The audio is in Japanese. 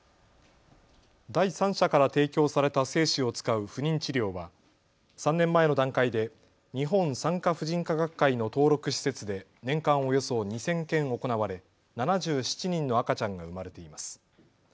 第三者から提供された精子を使う不妊治療は３年前の段階で日本産科婦人科学会の登録施設で年間およそ２０００件行われ７７人の赤ちゃんが生まれています。